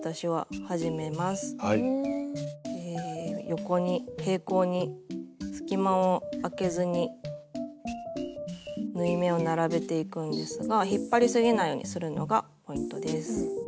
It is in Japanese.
横に平行に隙間をあけずに縫い目を並べていくんですが引っ張りすぎないようにするのがポイントです。